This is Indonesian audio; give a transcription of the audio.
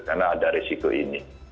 karena ada resiko ini